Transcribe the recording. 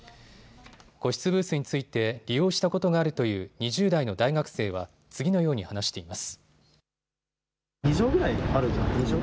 個室ブースについて利用したことがあるという２０代の大学生は次のように話しています。